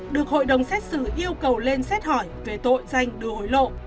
được hội đồng xét xử yêu cầu lên xét hỏi về tội danh đưa hối lộ